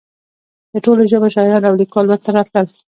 د ټولو ژبو شاعران او لیکوال ورته راتلل.